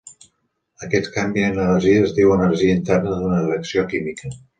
Aquest canvi en energia es diu energia interna d'una reacció química.